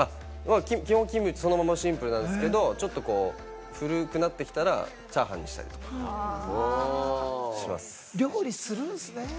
基本シンプルなキムチなんですけれども、ちょっと古くなってきたらチャーハンにしたりとかし料理するんすね。